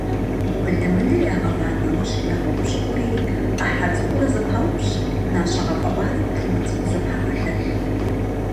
Былымылыр ягъэва нэужь, ягъэупщӀыӀури, Ӏыхьэ цӀыкӀуурэ зэпаупщӀ, нащэ гъэфӀэӀуари плӀимэ цӀыкӀуу зэпагъэлъэлъ.